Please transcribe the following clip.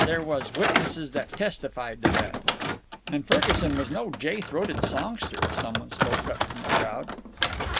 There was witnesses that testified to that. "An' Ferguson was no jay throated songster," some one spoke up from the crowd.